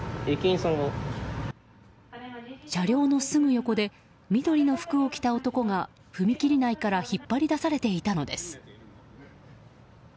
車両のすぐ横で緑の服を着た男が踏切内から引っ張り出されていたのです。